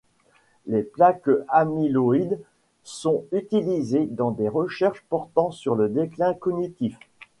Les plaques amyloïdes sont utilisées dans des recherches portant sur le déclin cognitif.